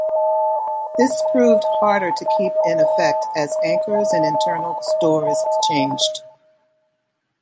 This proved harder to keep in effect as anchors and internal stores changed.